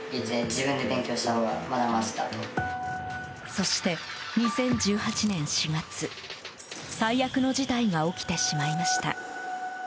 そして、２０１８年４月最悪の事態が起きてしまいました。